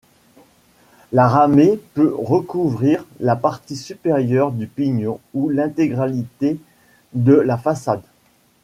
La ramée peut recouvrir la partie supérieure du pignon ou l'intégralité de la façade.